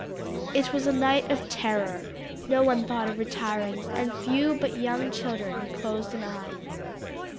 It was a night of terror; no one thought of retiring, and few but young children closed an eye.